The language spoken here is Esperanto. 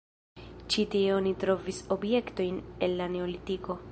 Ĉi tie oni trovis objektojn el la neolitiko.